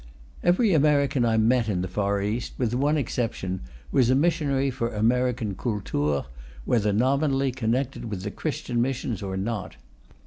Every American I met in the Far East, with one exception, was a missionary for American Kultur, whether nominally connected with Christian Missions or not.